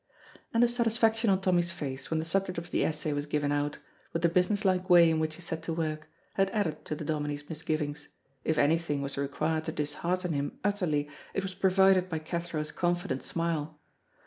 And the satisfaction on Tommy's face when the subject of the essay was given out, with the business like way in which he set to work, had added to the Dominie's misgivings; if anything was required to dishearten him utterly it was provided by Cathro's confident smile.